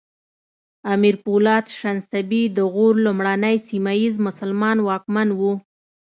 امیر پولاد شنسبی د غور لومړنی سیمه ییز مسلمان واکمن و